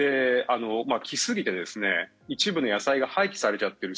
来すぎて一部の野菜が廃棄されちゃってる